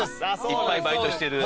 いっぱいバイトしてる。